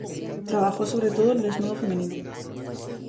Trabajó sobre todo el desnudo femenino.